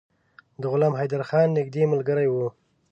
د غلام حیدرخان نیژدې ملګری وو.